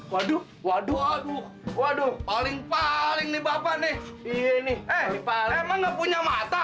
waduh waduh aduh waduh paling paling nih bapak nih ini eh paling emang punya mata